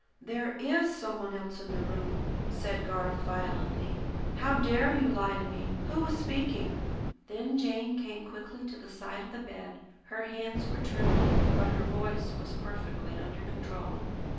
"There IS some one else in the room!" said Garth violently. "How dare you lie to me! Who was speaking?" Then Jane came quickly to the side of the bed. Her hands were trembling, but her voice was perfectly under control.